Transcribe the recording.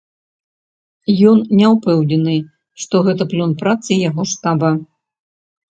Ён не ўпэўнены, што гэта плён працы яго штаба.